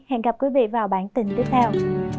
hẹn gặp quý vị vào bản tin tiếp theo